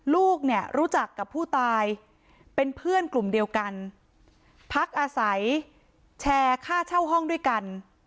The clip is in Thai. ลูกเนี่ยรู้จักกับผู้ตายเป็นเพื่อนกลุ่มเดียวกันพักอาศัยแชร์ค่าเช่าห้องด้วยกัน